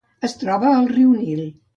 Es troba al riu Nil.